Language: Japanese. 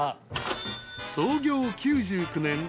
［創業９９年。